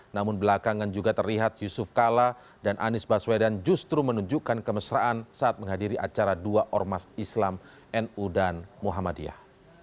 namun belakangan juga terlihat yusuf kala dan anies baswedan justru menunjukkan kemesraan saat menghadiri acara dua ormas islam nu dan muhammadiyah